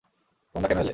তোমরা কেন এলে?